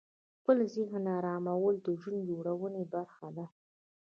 خپل ذهن آرامول د ژوند جوړونې برخه ده.